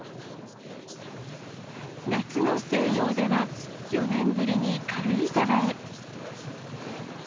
夏の静養では、４年ぶりに軽井沢へ。